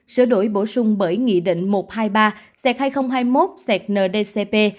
sở đổi bổ sung bởi nghị định một trăm hai mươi ba hai nghìn hai mươi một ndcp